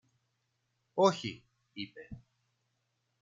Όχι! είπε.